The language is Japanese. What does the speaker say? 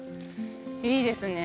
いいですね。